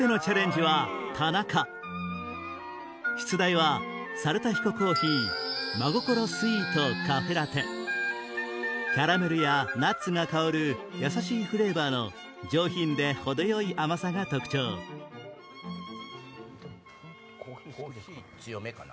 出題はキャラメルやナッツが香るやさしいフレーバーの上品で程よい甘さが特徴コーヒー強めかな？